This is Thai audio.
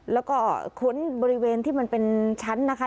แล้วก็ค้นบริเวณที่มันเป็นชั้นนะคะ